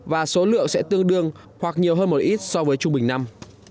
và số lượng sẽ tương đương hoặc nhiều hơn một ít so với trung bình năm